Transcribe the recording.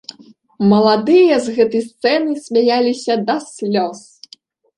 Маладыя з гэтай сцэны смяяліся да слёз!